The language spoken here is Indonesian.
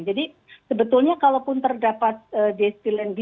jadi sebetulnya kalau pun terdapat diethylene glycol